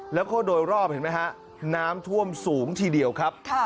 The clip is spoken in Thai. แล้วก็โดยรอบเห็นไหมฮะน้ำท่วมสูงทีเดียวครับ